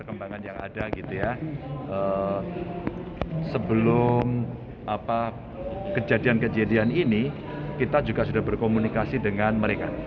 kejadian kejadian ini kita juga sudah berkomunikasi dengan mereka